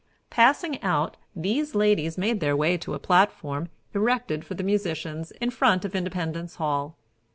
Passing out, these ladies made their way to a platform, erected for the musicians, in front of Independence Hall.